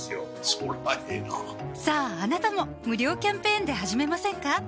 そりゃええなさぁあなたも無料キャンペーンで始めませんか？